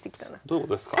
どういうことですか？